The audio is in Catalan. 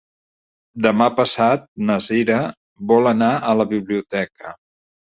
Demà passat na Sira vol anar a la biblioteca.